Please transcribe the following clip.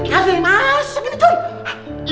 kawin masuk ini don